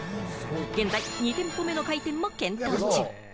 現在２店舗目の開店も検討中。